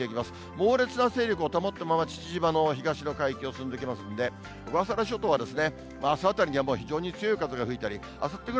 猛烈な勢力を保ったまま、父島の東の海域を進んでいきますんで、小笠原諸島はあすあたりには非常に強い風が吹いたり、あさってぐ